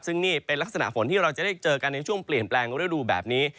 ซึ่งนี่เป็นลักษณะฝนที่เราจะได้เจอกันในช่วงเปลี่ยนแปลงฤดูแบบนี้